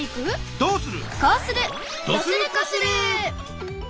こうする！